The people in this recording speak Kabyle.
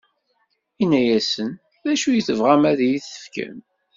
Inna-asen: D acu i tebɣam ad yi-t-tefkem?